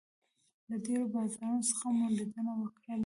له ډېرو بازارونو څخه مو لیدنه وکړله.